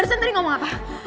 iya anak dihput alah